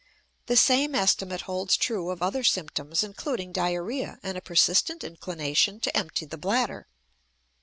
The same estimate holds true of other symptoms, including diarrhea and a persistent inclination to empty the bladder.